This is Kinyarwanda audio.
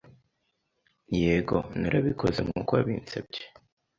"Yego, narabikoze nkuko wabinsabye